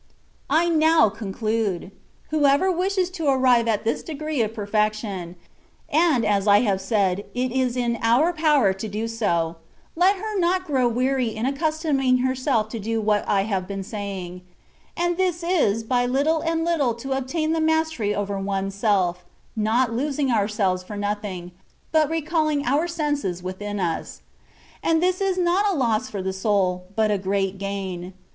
I now conclude. Whoever wishes to arrive at this degree of perfection (and, as I have said, it is in our power to do so), let her not grow weary in accustoming herself to do what I have been saying ; and this is, by little and little to obtain the mastery over one^s self, not losing ourselves for nothing, but recalling our senses within us ; and this is not a loss for the soul, but a great gain.